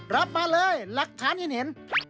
รับมาเลยหลักฐานที่เห็น